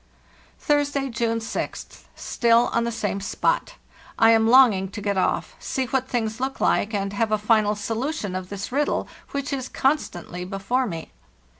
"Thursday, June 6th. Still on the same spot. I am longing to get off, see what things look like, and have a final solution of this riddle, which is constantly before me.